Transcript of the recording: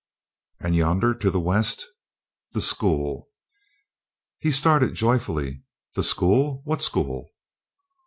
"And yonder to the west?" "The school." He started joyfully. "The school! What school?"